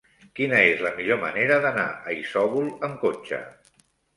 Quina és la millor manera d'anar a Isòvol amb cotxe?